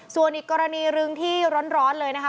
ส่วนอีกกรณีหนึ่งที่ร้อนเลยนะคะ